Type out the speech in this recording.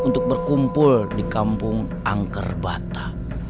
untuk berkumpul di kampung angkerbata